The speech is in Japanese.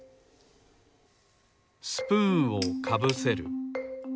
スプーンをかぶせる。